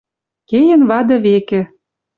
Кеен вады векӹ